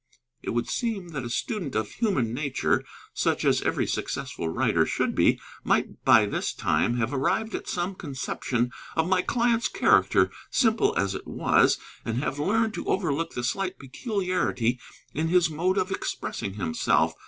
It would seem that a student of human nature, such as every successful writer should be, might by this time have arrived at some conception of my client's character, simple as it was, and have learned to overlook the slight peculiarity in his mode of expressing himself.